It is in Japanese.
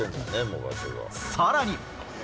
さらに。